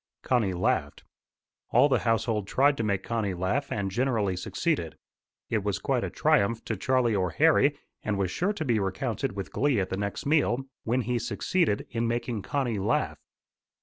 Connie laughed. All the household tried to make Connie laugh, and generally succeeded. It was quite a triumph to Charlie or Harry, and was sure to be recounted with glee at the next meal, when he succeeded in making Connie laugh.